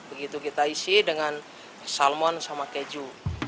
begitu kita isi dengan salmon sama keju